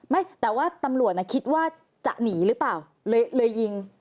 ไม่แต่ว่าตำรวจคิดว่าจะหนีหรือเปล่าเลยยิง